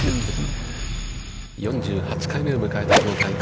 ４８回目を迎えた今大会。